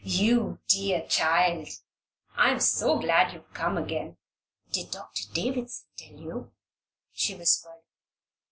"You dear child! I am so glad you have come again. Did Doctor Davison tell you?" she whispered.